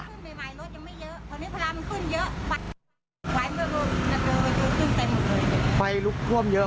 คนไม่ค่อยมีเดิน